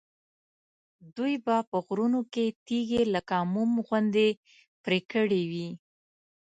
دوی به په غرونو کې تیږې لکه موم غوندې پرې کړې وي.